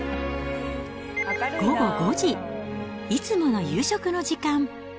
午後５時、いつもの夕食の時間。